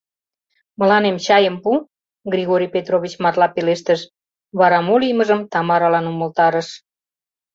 — Мыланем чайым пу, — Григорий Петрович марла пелештыш, вара мо лиймыжым Тамаралан умылтарыш.